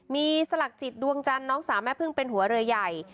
มีสลักจิตดวงจันทร์น้องสาวแม่พึ่งเป็นหัวเรือใหญ่